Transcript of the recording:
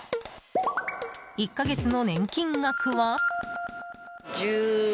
１か月の年金額は。